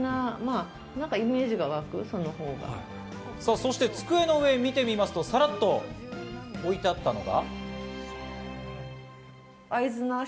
そして机の上を見てみますと、さらっと多いってあったのが。